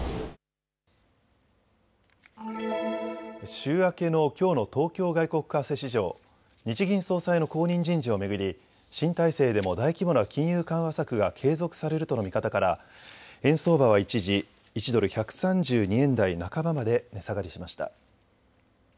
週明けのきょうの東京外国為替市場、日銀総裁の後任人事を巡り新体制でも大規模な金融緩和策が継続されるとの見方から、円相場は一時、１ドル１３２円台半ばまで値下がりしました。